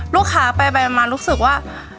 ลูกค้าไปมารู้สึกว่า